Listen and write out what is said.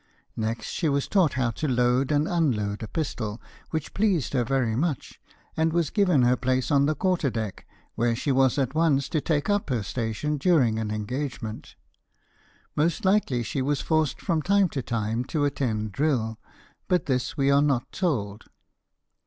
Next she was taught how to load and unload a pistol, which pleased her very much, and was given her place on the quarter deck, where she was at once to take up her station during an engagement. Most likely she was forced from time to time to attend drill, but this we are not told.